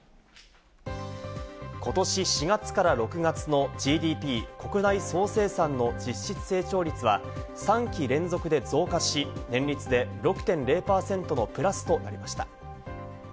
ことし４月から６月のＧＤＰ＝国内総生産の実質成長率は３期連続で増加し、年率で６．０％のプラスとなりました。